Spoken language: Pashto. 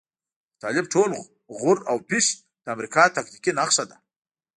د طالب ټول غور او پش د امريکا تاکتيکي نښه ده.